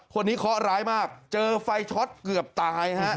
คนนี้เคาะร้ายมากเจอไฟช็อตเกือบตาย